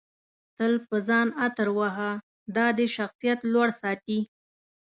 تل په ځان عطر وهه دادی شخصیت لوړ ساتي